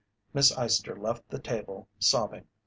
Miss Eyester left the table, sobbing.